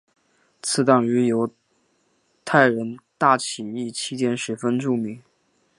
此党于犹太人大起义期间十分著名。